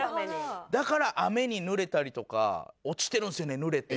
だから雨にぬれたりとか落ちてるんですよねぬれて。